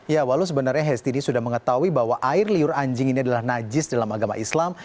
ya walau sebenarnya hesti ini sudah mengetahui bahwa air liur anjing ini adalah najis dalam agama islam